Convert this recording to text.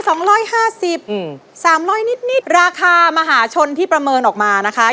สองร้อยห้าสิบอืมสามร้อยนิดนิดราคามหาชนที่ประเมินออกมานะคะ